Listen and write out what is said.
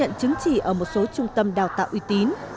nhận chứng chỉ ở một số trung tâm đào tạo uy tín